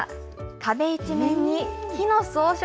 壁一面に木の装飾。